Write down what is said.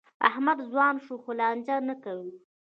احمد ځوان شو؛ خو لانجه نه کوي.